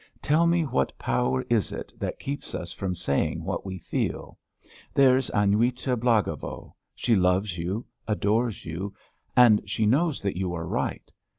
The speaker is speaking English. Tell me what power is it that keeps us from saying what we feel? There's Aniuta Blagovo. She loves you, adores you, and she knows that you are right.